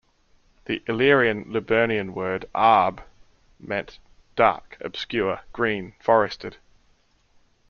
The Illyrian-Liburnian word "Arb" meant 'dark, obscure, green, forested'.